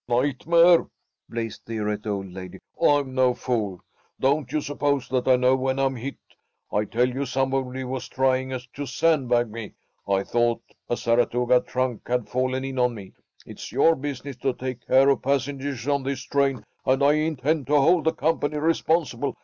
"Nightmare!" blazed the irate old lady. "I'm no fool. Don't you suppose that I know when I'm hit? I tell you somebody was trying to sandbag me. I thought a Saratoga trunk had fallen in on me. It's your business to take care of passengers on this train, and I intend to hold the company responsible.